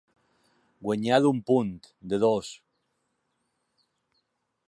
Guanyar d'un punt, de dos.